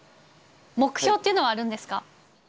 目標というのはあるんですか？